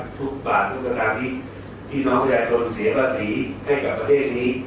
ทุกบาททุกสถานีพี่น้องประชาชนเสียภาษีให้กับประเทศนี้